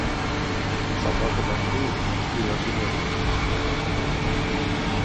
Сабака вартуе хутарскую адзіноту.